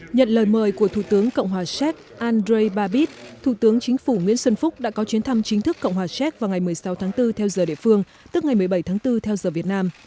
nhận lời mời của thủ tướng cộng hòa séc andrei babis thủ tướng chính phủ nguyễn xuân phúc đã có chuyến thăm chính thức cộng hòa séc vào ngày một mươi sáu tháng bốn theo giờ địa phương tức ngày một mươi bảy tháng bốn theo giờ việt nam